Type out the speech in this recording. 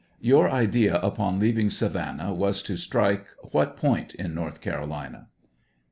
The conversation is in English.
Your idea upon leaving Savannah was to strike what point in North Carolina